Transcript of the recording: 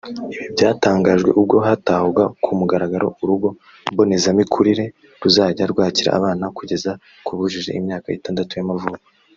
Ibi byatangajwe ubwo hatahwaga ku mugaragaro urugo mbonezamikurire ruzajya rwakira abana kugeza ku bujuje imyaka itandatu y’amavuko